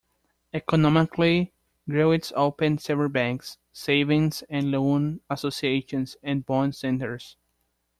Economically, Gleiwitz opened several banks, Savings and loan associations, and bond centers.